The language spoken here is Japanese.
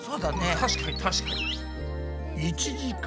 確かに確かに。